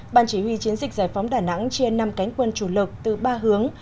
ban chỉ huy chiến dịch giải phóng đà nẵng chia năm cánh quân chủ lực từ ba hướng